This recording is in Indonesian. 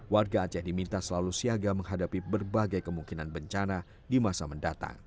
warga aceh diminta selalu siaga menghadapi berbagai kemungkinan bencana di masa mendatang